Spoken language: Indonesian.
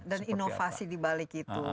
dan inovasi di balik itu